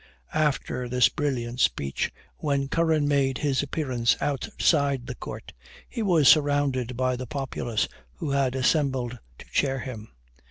After this brilliant speech, when Curran made his appearance outside the court, he was surrounded by the populace, who had assembled to chair him.